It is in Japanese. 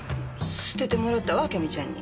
捨ててもらったわあけみちゃんに。